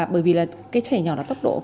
bởi vì trẻ nhỏ là tốc độ